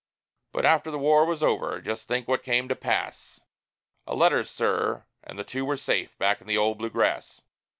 But, after the war was over, just think what came to pass A letter, sir; and the two were safe back in the old Blue Grass.